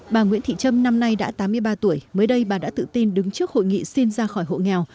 bà nguyễn thị trâm năm nay đã tám mươi ba tuổi mới đây bà đã tự tin đứng trước hội nghị xin ra khỏi hộ nghèo